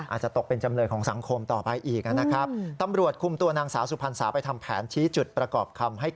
อาจจะตกเป็นจำเลยของสังคมต่อไปอีกนะครับ